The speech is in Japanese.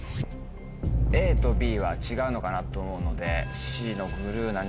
ＡとＢは違うのかなと思うので。